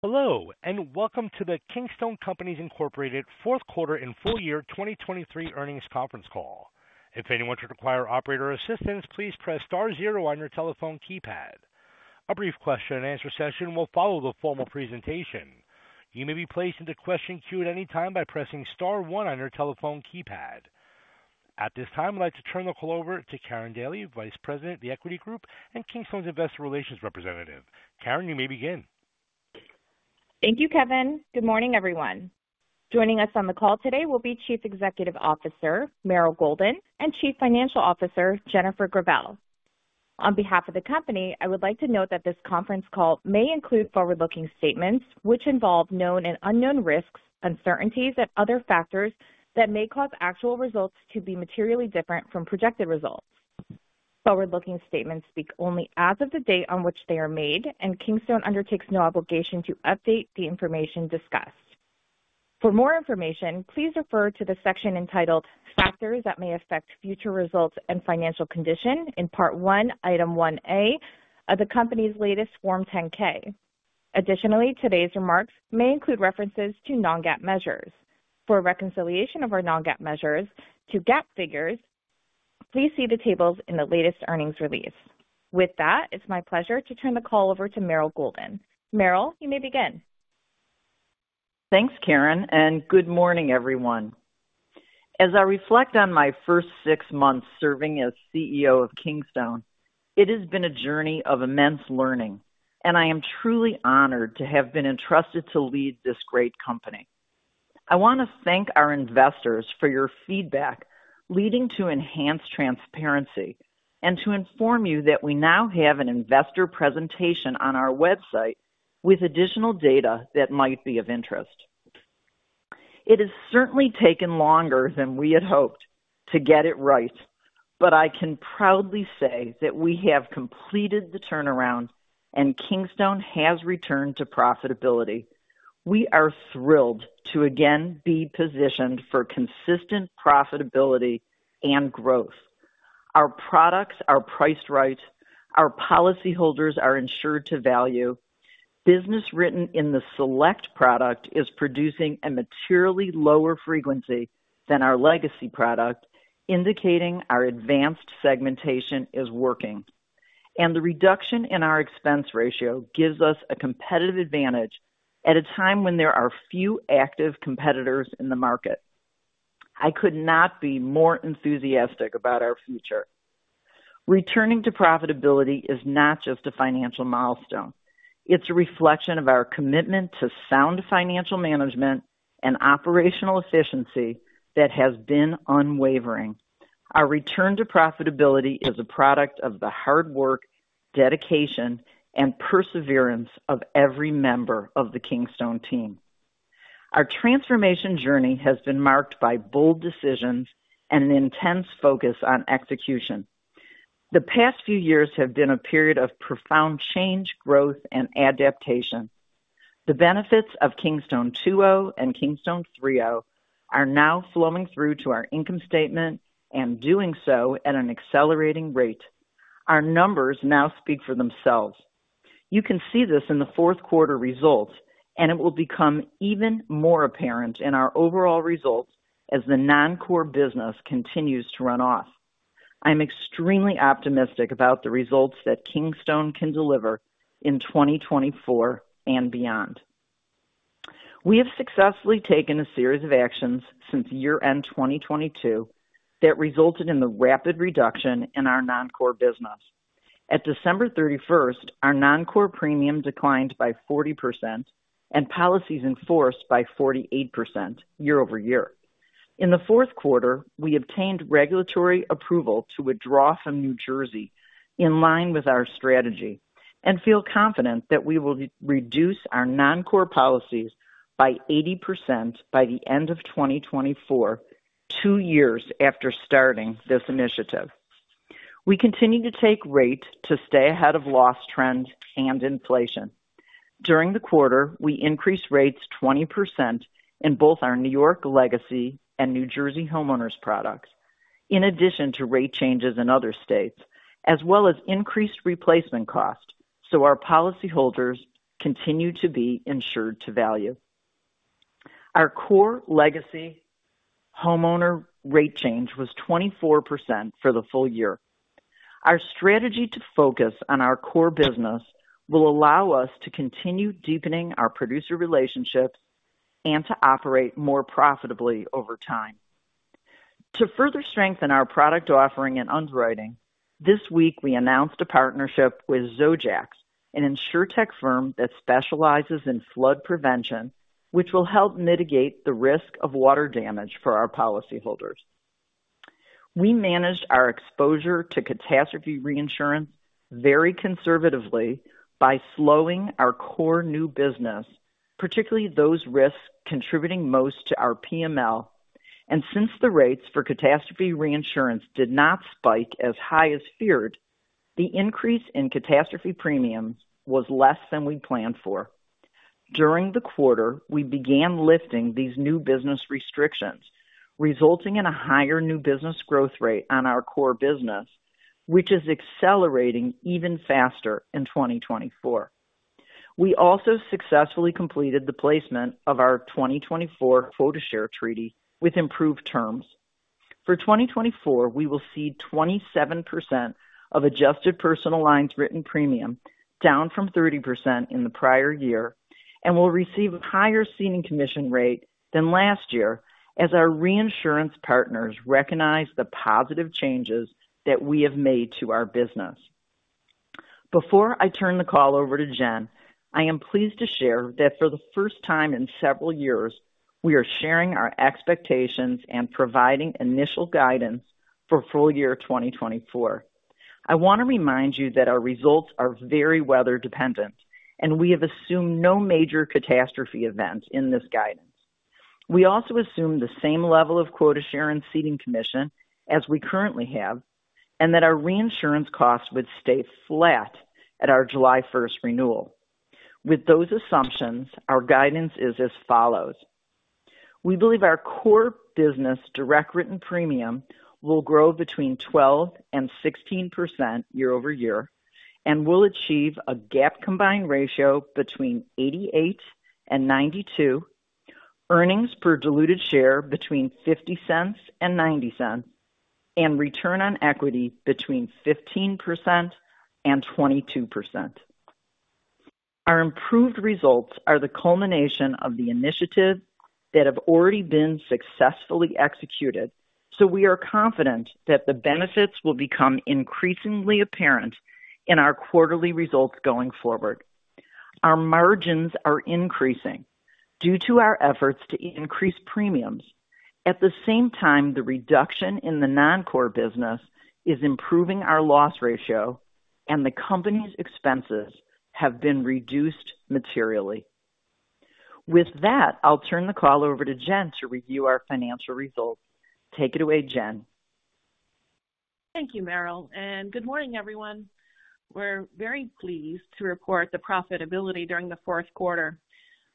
Hello, and welcome to the Kingstone Companies, Inc. Fourth Quarter and Full Year 2023 Earnings Conference Call. If anyone should require operator assistance, please press star zero on your telephone keypad. A brief question-and-answer session will follow the formal presentation. You may be placed into question queue at any time by pressing star one on your telephone keypad. At this time, I'd like to turn the call over to Karen Daly, Vice President, The Equity Group, and Kingstone's Investor Relations representative. Karen, you may begin. Thank you, Kevin. Good morning, everyone. Joining us on the call today will be Chief Executive Officer, Meryl Golden, and Chief Financial Officer, Jennifer Gravelle. On behalf of the company, I would like to note that this conference call may include forward-looking statements, which involve known and unknown risks, uncertainties, and other factors that may cause actual results to be materially different from projected results. Forward-looking statements speak only as of the date on which they are made, and Kingstone undertakes no obligation to update the information discussed. For more information, please refer to the section entitled Factors That May Affect Future Results and Financial Condition in Part 1, Item 1A of the company's latest Form 10-K. Additionally, today's remarks may include references to non-GAAP measures. For a reconciliation of our non-GAAP measures to GAAP figures, please see the tables in the latest earnings release. With that, it's my pleasure to turn the call over to Meryl Golden. Meryl, you may begin. Thanks, Karen, and good morning, everyone. As I reflect on my first six months serving as CEO of Kingstone, it has been a journey of immense learning, and I am truly honored to have been entrusted to lead this great company. I want to thank our investors for your feedback, leading to enhanced transparency and to inform you that we now have an investor presentation on our website with additional data that might be of interest. It has certainly taken longer than we had hoped to get it right, but I can proudly say that we have completed the turnaround and Kingstone has returned to profitability. We are thrilled to again be positioned for consistent profitability and growth. Our products are priced right. Our policyholders are insured to value. Business written in the Select product is producing a materially lower frequency than our Legacy product, indicating our advanced segmentation is working, and the reduction in our expense ratio gives us a competitive advantage at a time when there are few active competitors in the market. I could not be more enthusiastic about our future. Returning to profitability is not just a financial milestone, it's a reflection of our commitment to sound financial management and operational efficiency that has been unwavering. Our return to profitability is a product of the hard work, dedication, and perseverance of every member of the Kingstone team. Our transformation journey has been marked by bold decisions and an intense focus on execution. The past few years have been a period of profound change, growth, and adaptation. The benefits of Kingstone 2.0 and Kingstone 3.0 are now flowing through to our income statement and doing so at an accelerating rate. Our numbers now speak for themselves. You can see this in the fourth quarter results, and it will become even more apparent in our overall results as the non-core business continues to run off. I'm extremely optimistic about the results that Kingstone can deliver in 2024 and beyond. We have successfully taken a series of actions since year-end 2022 that resulted in the rapid reduction in our non-core business. At December 31, our non-core premium declined by 40% and policies in force by 48% year-over-year. In the fourth quarter, we obtained regulatory approval to withdraw from New Jersey in line with our strategy, and feel confident that we will re-reduce our non-core policies by 80% by the end of 2024, two years after starting this initiative. We continue to take rate to stay ahead of loss trends and inflation. During the quarter, we increased rates 20% in both our New York Legacy and New Jersey homeowners products, in addition to rate changes in other states, as well as increased replacement costs, so our policyholders continue to be insured to value. Our core legacy homeowner rate change was 24% for the full year. Our strategy to focus on our core business will allow us to continue deepening our producer relationships and to operate more profitably over time. To further strengthen our product offering and underwriting, this week, we announced a partnership with Zojacks, an Insurtech firm that specializes in flood prevention, which will help mitigate the risk of water damage for our policyholders. We managed our exposure to catastrophe reinsurance very conservatively by slowing our core new business, particularly those risks contributing most to our PML. And since the rates for catastrophe reinsurance did not spike as high as feared, the increase in catastrophe premiums was less than we planned for. During the quarter, we began lifting these new business restrictions, resulting in a higher new business growth rate on our core business, which is accelerating even faster in 2024. We also successfully completed the placement of our 2024 quota share treaty with improved terms. For 2024, we will cede 27% of adjusted personal lines written premium, down from 30% in the prior year, and will receive a higher ceding commission rate than last year, as our reinsurance partners recognize the positive changes that we have made to our business. Before I turn the call over to Jen, I am pleased to share that for the first time in several years, we are sharing our expectations and providing initial guidance for full year 2024. I want to remind you that our results are very weather dependent, and we have assumed no major catastrophe events in this guidance. We also assume the same level of quota share and ceding commission as we currently have, and that our reinsurance costs would stay flat at our July 1st renewal. With those assumptions, our guidance is as follows: We believe our core business, direct written premium, will grow between 12%-16% year-over-year, and will achieve a GAAP combined ratio between 88%-92%, earnings per diluted share between $0.50-$0.90, and return on equity between 15%-22%. Our improved results are the culmination of the initiatives that have already been successfully executed, so we are confident that the benefits will become increasingly apparent in our quarterly results going forward. Our margins are increasing due to our efforts to increase premiums. At the same time, the reduction in the non-core business is improving our loss ratio, and the company's expenses have been reduced materially. With that, I'll turn the call over to Jen to review our financial results. Take it away, Jen. Thank you, Meryl, and good morning, everyone. We're very pleased to report the profitability during the fourth quarter,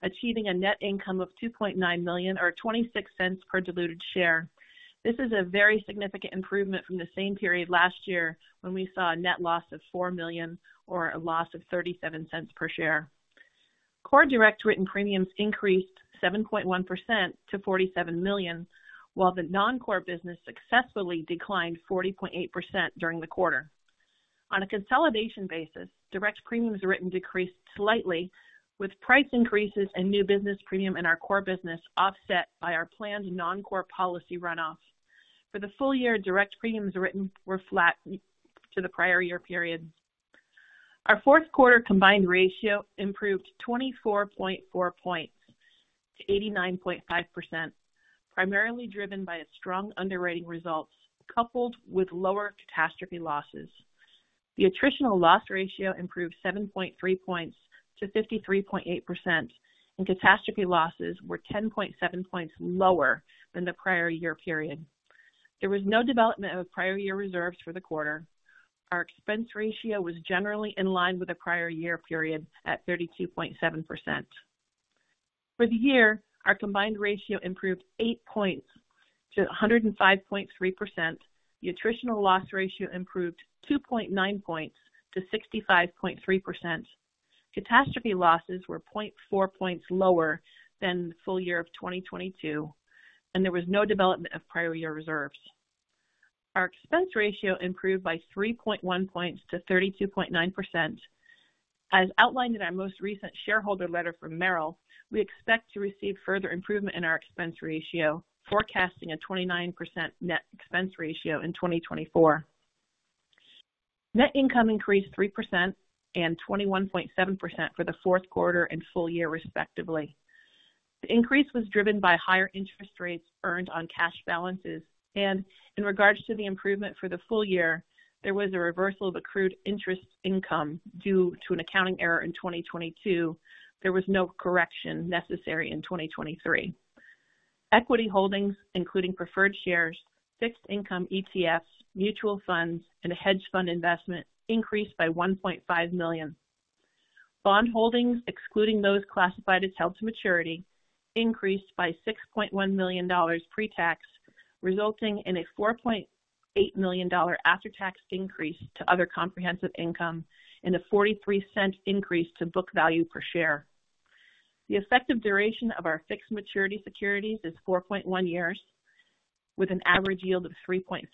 achieving a net income of $2.9 million, or $0.26 per diluted share. This is a very significant improvement from the same period last year, when we saw a net loss of $4 million or a loss of $0.37 per share. Core direct written premiums increased 7.1% to $47 million, while the non-core business successfully declined 40.8% during the quarter. On a consolidation basis, direct premiums written decreased slightly, with price increases and new business premium in our core business, offset by our planned non-core policy runoff. For the full year, direct premiums written were flat to the prior year period. Our fourth quarter combined ratio improved 24.4 points to 89.5%, primarily driven by a strong underwriting results coupled with lower catastrophe losses. The attritional loss ratio improved 7.3 points to 53.8%, and catastrophe losses were 10.7 points lower than the prior year period. There was no development of prior year reserves for the quarter. Our expense ratio was generally in line with the prior year period at 32.7%. For the year, our combined ratio improved eight points to 105.3%. The attritional loss ratio improved 2.9 points to 65.3%. Catastrophe losses were 0.4 points lower than the full year of 2022, and there was no development of prior year reserves. Our expense ratio improved by 3.1 points to 32.9%. As outlined in our most recent shareholder letter from Meryl, we expect to receive further improvement in our expense ratio, forecasting a 29% net expense ratio in 2024. Net income increased 3% and 21.7% for the fourth quarter and full year, respectively. The increase was driven by higher interest rates earned on cash balances, and in regards to the improvement for the full year, there was a reversal of accrued interest income due to an accounting error in 2022. There was no correction necessary in 2023. Equity holdings, including preferred shares, fixed income ETFs, mutual funds, and a hedge fund investment, increased by $1.5 million. Bond holdings, excluding those classified as held to maturity, increased by $6.1 million pre-tax, resulting in a $4.8 million after-tax increase to other comprehensive income and a $0.43 increase to book value per share. The effective duration of our fixed maturity securities is 4.1 years, with an average yield of 3.58%.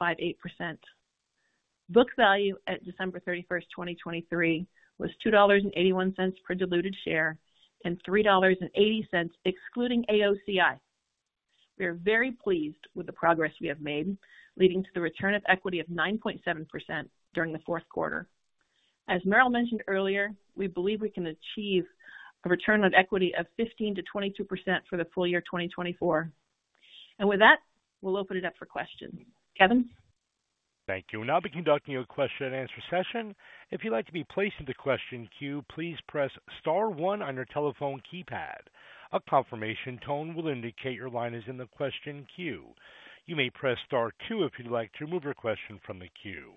Book value at December 31, 2023, was $2.81 per diluted share and $3.80 excluding AOCI. We are very pleased with the progress we have made, leading to a return on equity of 9.7% during the fourth quarter. As Meryl mentioned earlier, we believe we can achieve a return on equity of 15%-22% for the full year 2024. With that, we'll open it up for questions. Kevin? Thank you. We'll now be conducting a question and answer session. If you'd like to be placed in the question queue, please press star one on your telephone keypad. A confirmation tone will indicate your line is in the question queue. You may press star two if you'd like to remove your question from the queue.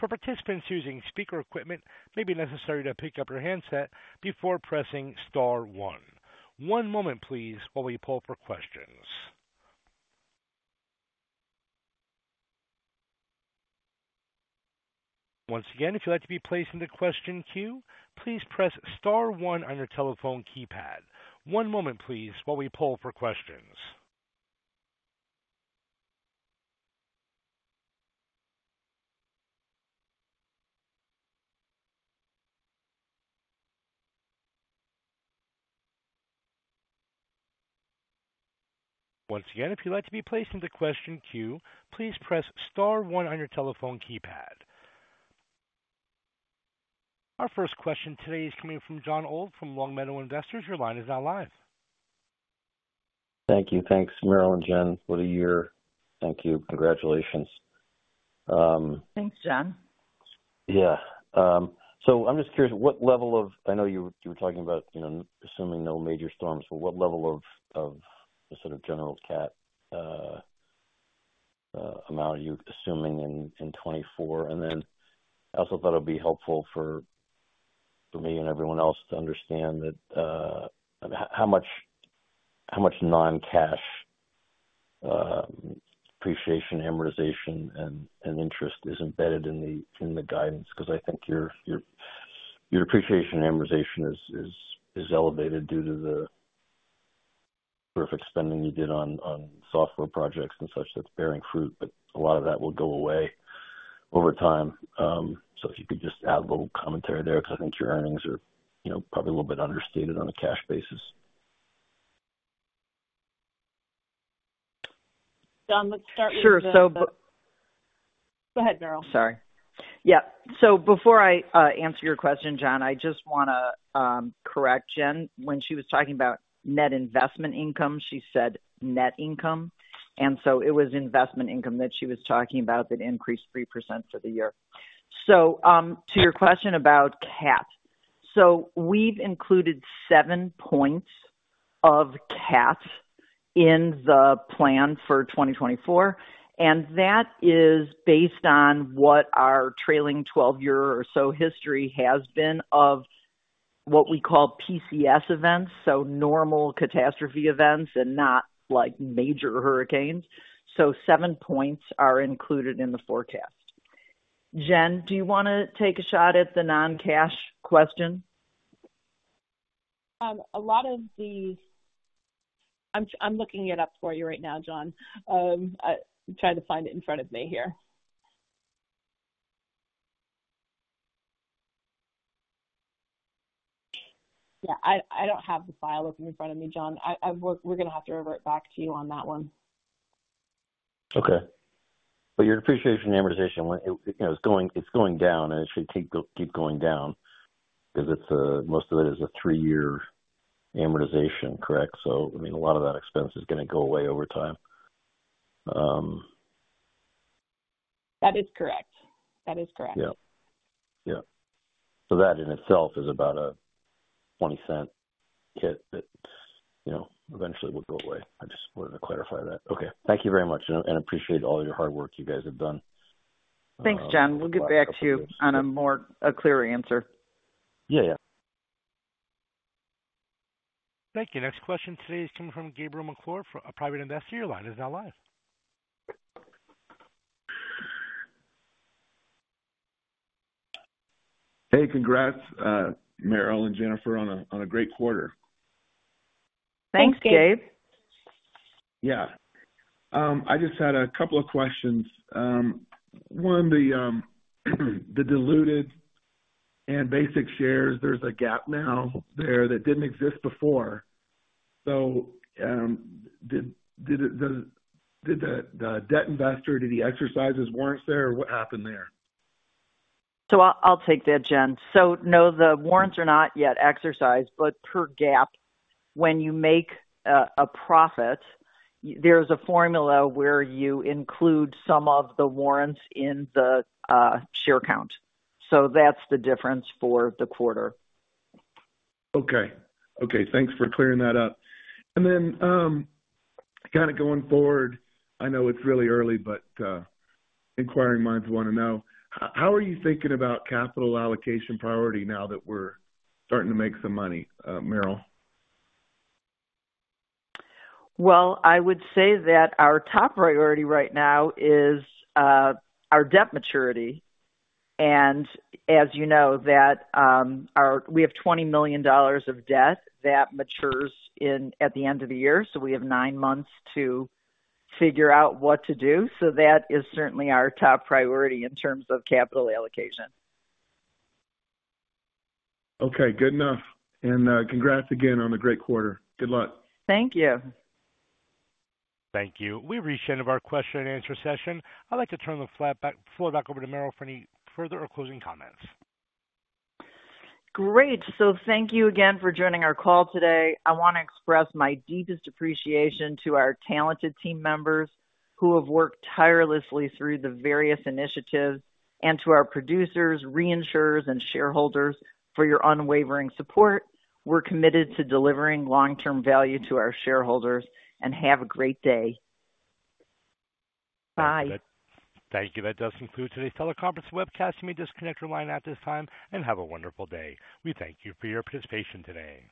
For participants using speaker equipment, it may be necessary to pick up your handset before pressing star one. One moment please, while we poll for questions. Once again, if you'd like to be placed into question queue, please press star one on your telephone keypad. One moment, please, while we poll for questions. Once again, if you'd like to be placed into question queue, please press star one on your telephone keypad. Our first question today is coming from Jon Old from Long Meadow Investors. Your line is now live. Thank you. Thanks, Meryl and Jen. What a year! Thank you. Congratulations. Thanks, John. Yeah. So I'm just curious what level of—I know you were talking about, you know, assuming no major storms, but what level of the sort of general cat amount are you assuming in 2024? And then I also thought it'd be helpful for me and everyone else to understand that, how much non-cash depreciation, amortization, and interest is embedded in the guidance, because I think your depreciation amortization is elevated due to the terrific spending you did on software projects and such. That's bearing fruit, but a lot of that will go away over time. So if you could just add a little commentary there, because I think your earnings are, you know, probably a little bit understated on a cash basis. John, let's start with- Sure. So- Go ahead, Meryl. Sorry. Yeah. So before I answer your question, John, I just want to correct Jen. When she was talking about net investment income, she said net income, and so it was investment income that she was talking about that increased 3% for the year. So to your question about cat. So we've included 7 points of cat in the plan for 2024, and that is based on what our trailing 12-year or so history has been of what we call PCS events, so normal catastrophe events and not like major hurricanes. 7 points are included in the forecast. Jen, do you want to take a shot at the non-cash question? I'm looking it up for you right now, John. I'm trying to find it in front of me here. Yeah, I don't have the file open in front of me, John. We're going to have to revert back to you on that one. Okay. But your depreciation, amortization, you know, it's going, it's going down, and it should keep, keep going down because it's a—most of it is a three-year amortization, correct? So, I mean, a lot of that expense is going to go away over time. That is correct. That is correct. Yeah. Yeah. So that in itself is about a $0.20 hit that, you know, eventually would go away. I just wanted to clarify that. Okay. Thank you very much, and I appreciate all your hard work you guys have done. Thanks, John. We'll get back to you on a clearer answer. Yeah. Yeah. Thank you. Next question today is coming from Gabriel McClure, from a private investor. Your line is now live. Hey, congrats, Meryl and Jennifer, on a great quarter. Thanks, Gabe. Thanks, Gabe. Yeah. I just had a couple of questions. One, the diluted and basic shares, there's a gap now there that didn't exist before. So, did the debt investor exercise his warrants there, or what happened there? So I'll take that, Jen. So, no, the warrants are not yet exercised, but per GAAP, when you make a profit, there's a formula where you include some of the warrants in the share count. So that's the difference for the quarter. Okay. Okay, thanks for clearing that up. And then, kind of going forward, I know it's really early, but, inquiring minds want to know. How are you thinking about capital allocation priority now that we're starting to make some money, Meryl? Well, I would say that our top priority right now is our debt maturity. And as you know, we have $20 million of debt that matures at the end of the year. So we have nine months to figure out what to do. So that is certainly our top priority in terms of capital allocation. Okay, good enough. Congrats again on the great quarter. Good luck. Thank you. Thank you. We've reached the end of our question and answer session. I'd like to turn the floor back over to Meryl for any further or closing comments. Great. So thank you again for joining our call today. I want to express my deepest appreciation to our talented team members, who have worked tirelessly through the various initiatives, and to our producers, reinsurers, and shareholders for your unwavering support. We're committed to delivering long-term value to our shareholders, and have a great day. Bye. Thank you. That does conclude today's teleconference webcast. You may disconnect your line at this time, and have a wonderful day. We thank you for your participation today.